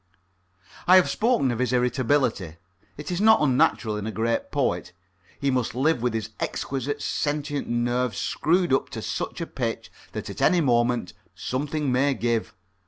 I have spoken of his irritability. It is not unnatural in a great poet. He must live with his exquisite sentient nerves screwed up to such a pitch that at any moment something may give.